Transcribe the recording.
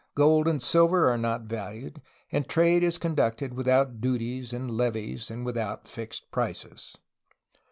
Gold and silver are not valued, and trade is con ducted without duties and levies and without fixed prices."